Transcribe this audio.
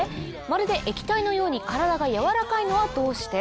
まるで液体のように体が軟らかいのはどうして？